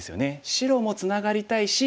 白もツナがりたいし